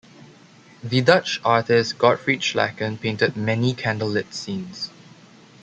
The Dutch artist Godfried Schalcken painted many candle-lit scenes.